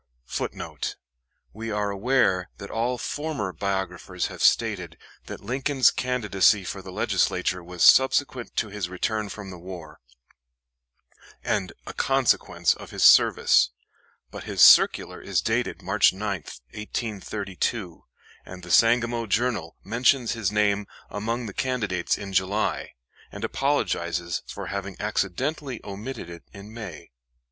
[Footnote: We are aware that all former biographers have stated that Lincoln's candidacy for the Legislature was subsequent to his return from the war, and a consequence of his service. But his circular is dated March 9, 1832, and the "Sangamo Journal" mentions his name among the July, and apologizes candidates in for having accidentally omitted it in May.